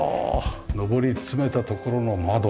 上り詰めたところの窓。